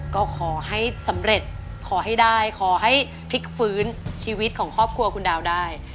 ก็ขอให้สำเร็จขอให้ได้ขอให้พลิกฟื้นชีวิตของครอบครัวคุณดาวได้